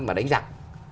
và đánh giặc